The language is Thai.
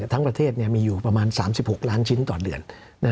ทั้งประเทศมีอยู่ประมาณ๓๖ล้านชิ้นต่อเดือน